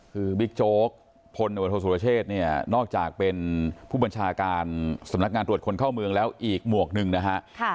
คือบิ๊กโจ๊กพลวโทษสุรเชษเนี่ยนอกจากเป็นผู้บัญชาการสำนักงานตรวจคนเข้าเมืองแล้วอีกหมวกหนึ่งนะฮะ